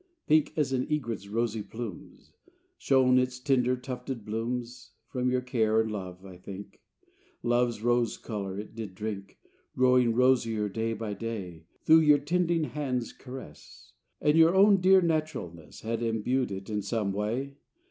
Pink As an egret's rosy plumes Shone its tender tufted blooms. From your care and love, I think, Love's rose color it did drink, Growing rosier day by day Through your 'tending hand's caress: And your own dear naturalness Had imbued it in some way.